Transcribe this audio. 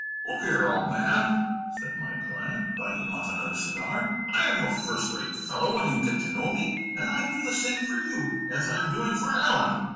"Look here, old man," said my client, biting off another cigar, "I'm a first rate fellow when you get to know me, and I'd do the same for you as I'm doing for Allen."